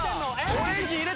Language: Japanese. オレンジ入れた。